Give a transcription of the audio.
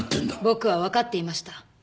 僕は分かっていました。